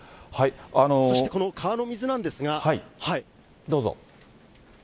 そしてこの川の水なんですが。